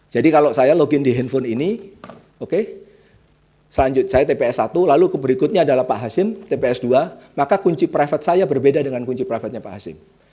jadi kalau saya login di handphone ini oke selanjutnya tps satu lalu berikutnya adalah pak hasim tps dua maka kunci private saya berbeda dengan kunci private pak hasim